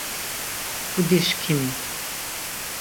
Kudi-şǩimi!